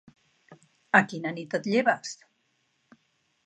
A quina nit et lleves?